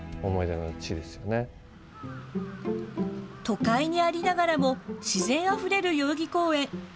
都会にありながらも自然あふれる代々木公園。